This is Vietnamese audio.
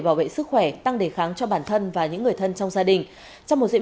bảo vệ sức khỏe tăng đề kháng cho bản thân và những người thân trong gia đình trong một diễn